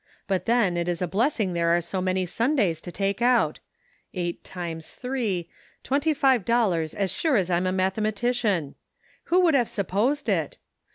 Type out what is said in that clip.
But then, it is a blessing there are so many Sundays to take out. Eight times three — twenty five dollars as sure as I'm a mathematician ! Who would have supposed it?